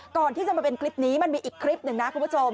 ก่อนที่จะมาเป็นคลิปนี้มันมีอีกคลิปหนึ่งนะคุณผู้ชม